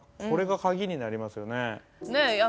これが鍵になりますよね。